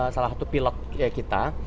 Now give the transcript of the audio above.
salah satu pilot kita